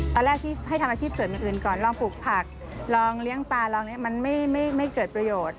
ตอนแรกที่ให้ทำอาชีพเสริมอย่างอื่นก่อนลองปลูกผักลองเลี้ยงปลาลองนี้มันไม่เกิดประโยชน์